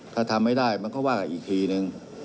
ถ้าทำไม่ได้มันก็ว่ากันอีกทีนึง